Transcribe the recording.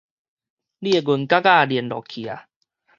你的銀角仔輾落去矣